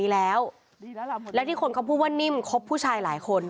และที่คนพูดว่านิ่มครบผู้ชายหลายคน